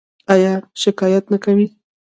ایا شکایت نه کوئ؟